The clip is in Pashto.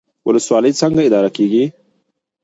ولسوالۍ څنګه اداره کیږي؟